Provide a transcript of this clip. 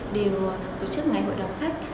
đều tổ chức ngày hội đọc sách